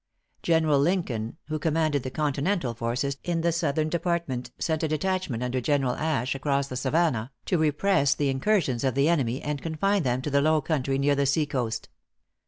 General Lincoln, who commanded the continental forces in the southern department, sent a detachment under General Ashe across the Savannah, to repress the incursions of the enemy, and confine them to the low country near the sea coast.